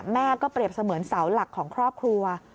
แม่ก็เปรียบเสมือนเสาหลักของครอบครัว